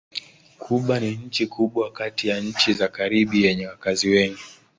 Kuba ni nchi kubwa kati ya nchi za Karibi yenye wakazi wengi.